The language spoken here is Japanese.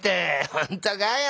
本当かよ？